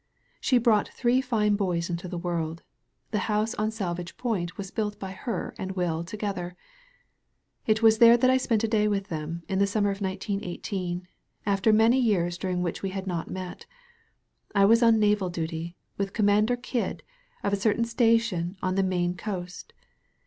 She brought three fine boys into the world. The house on Salvage Point was built by her and Will together. It was there that I spent a day with them, in the stunmer of 1918, after many years during which we had not met. I was on naval duty, with Com mander Kidd, of a certain station on the Maine coast.